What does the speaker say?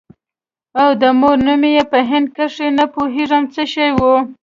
او د مور نوم يې په هندي کښې نه پوهېږم څه شى و.